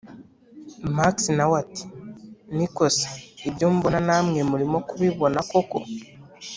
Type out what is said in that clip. max nawe ati: niko se ibyo mbona namwe murimo kubibona koko!’